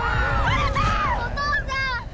お父さん！